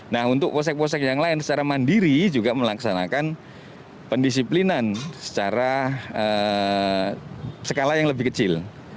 nah untuk polsek polsek yang lain secara mandiri juga melaksanakan pendisiplinan secara skala yang lebih kecil